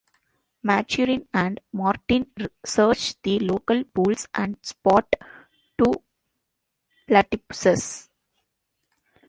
Maturin and Martin search the local pools and spot two platypuses.